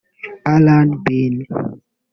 Alan Bean